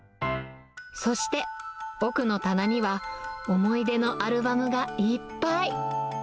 そして、奥の棚には思い出のアルバムがいっぱい。